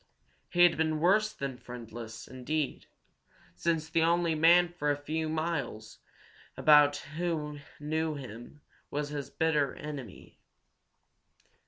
He had been worse than friendless, indeed, since the only man for many miles about who knew him was his bitter enemy.